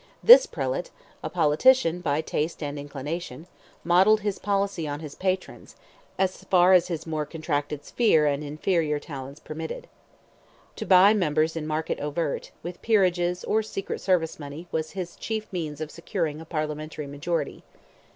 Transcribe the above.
This prelate, a politician by taste and inclination, modelled his policy on his patron's, as far as his more contracted sphere and inferior talents permitted. To buy members in market overt, with peerages, or secret service money, was his chief means of securing a Parliamentary majority.